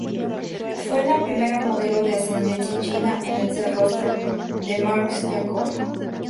Fue la primera modelo de ascendencia china en ser el rostro de Marc Jacobs.